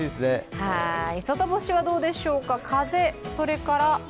外干しはどうでしょうか、風、△、△、